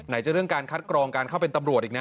จะเรื่องการคัดกรองการเข้าเป็นตำรวจอีกนะ